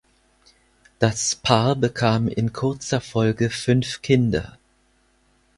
Das Paar bekam in kurzer Folge fünf Kinder.